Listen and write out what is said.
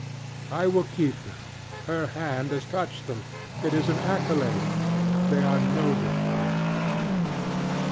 I will keep them. Her hand has touched themŌĆöit is an accoladeŌĆöthey are noble, now.